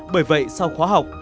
bởi vậy sau khóa học